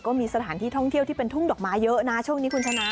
ก็มีสถานที่ท่องเที่ยวที่เป็นทุ่งดอกไม้เยอะนะช่วงนี้คุณชนะ